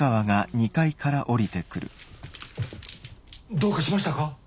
どうかしましたか？